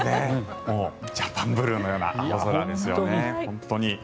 ジャパンブルーのような青空ですよね。